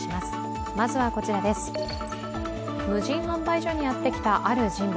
無人販売所にやってきたある人物。